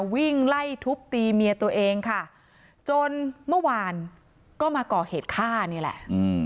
วิ่งไล่ทุบตีเมียตัวเองค่ะจนเมื่อวานก็มาก่อเหตุฆ่านี่แหละ